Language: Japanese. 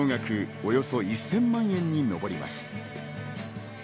およそ１０００万円に上ります。